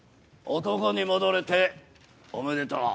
男に戻れておめでとう。